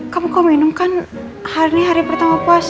kamu kok minum kan hari ini hari pertama puasa